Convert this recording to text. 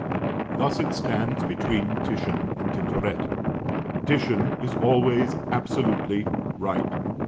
Thus it stands between Titian and Tintoret. Titian is always absolutely Right.